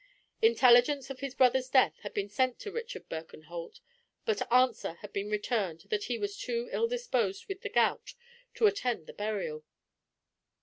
Intelligence of his brother's death had been sent to Richard Birkenholt, but answer had been returned that he was too evil disposed with the gout to attend the burial.